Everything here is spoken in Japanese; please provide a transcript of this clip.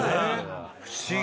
不思議。